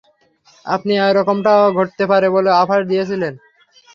আপনি এরকমটা ঘটতে পারে বলে আভাস দিয়েছিলেন।